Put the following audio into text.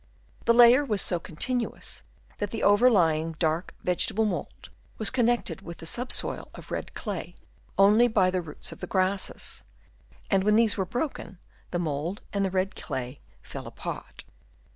The layer was so continuous that the over lying dark vegetable mould was connected with the sub soil of red clay only by the roots of the grasses ; and when these were broken, the mould and the red clay fell apart.